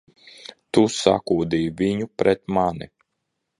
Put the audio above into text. Tu sakūdīji viņu pret mani!